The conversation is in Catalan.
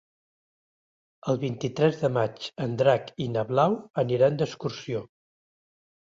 El vint-i-tres de maig en Drac i na Blau aniran d'excursió.